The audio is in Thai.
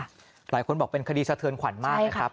หลายคนบอกเป็นคดีสะเทือนขวัญมากนะครับ